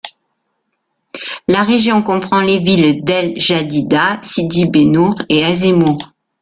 La région comprend les villes d'El Jadida, Sidi Bennour et Azemmour.